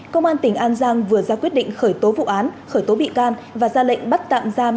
công an tỉnh an giang vừa ra quyết định khởi tố vụ án khởi tố bị can và ra lệnh bắt tạm giam